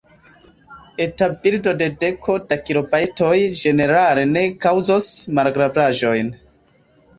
Eta bildo de deko da kilobajtoj ĝenerale ne kaŭzos malagrablaĵojn.